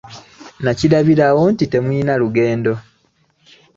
Nakirabirawo nti temulina lugendo.